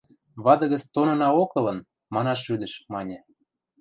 Вады гӹц тонынаок ылын, манаш шӱдӹш, – маньы.